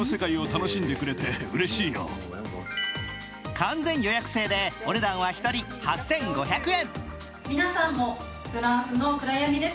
完全予約制でお値段は１人８５００円。